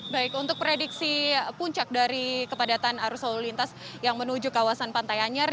baik untuk prediksi puncak dari kepadatan arus lalu lintas yang menuju kawasan pantai anyer